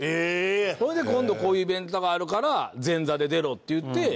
それで今度こういうイベントがあるから前座で出ろって言って。